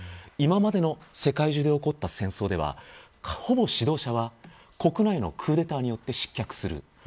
今までの世界中で起こった戦争ではほぼ、指導者は国内のクーデターによって失脚する。